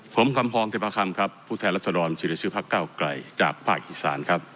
ผมคำฐองธิพธรรมครับผู้แทนรัศรรณชื่อชื่อชื่อภักดิ์เกล้าไกลจากภาคอีศาลครับ